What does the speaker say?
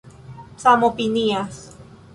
samopinias